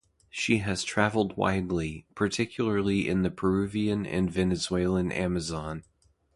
She has travelled widely, particularly in the Peruvian and Venezuelan Amazon.